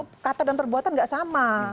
oke itu kata dan perbuatan nggak sama